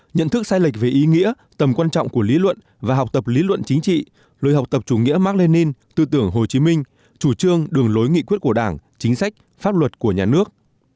ba nhận thức sai lệch về ý nghĩa tầm quan trọng của lý luận và học tập lý luận chính trị lời học tập chủ nghĩa mạc lê ninh tư tưởng hồ chí minh chủ trương đường lối nghị quyết của đảng chính sách pháp luật của nhà nước